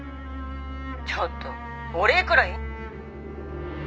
「ちょっとお礼くらい」